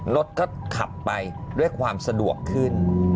รถก็ขับไปด้วยความสะดวกขึ้น